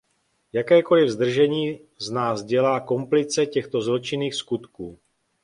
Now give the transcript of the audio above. Jakékoliv zdržení z nás dělá komplice těchto zločinných skutků.